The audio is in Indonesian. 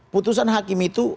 putusan hakim itu